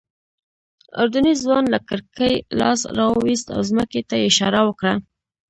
اردني ځوان له کړکۍ لاس راوویست او ځمکې ته یې اشاره وکړه.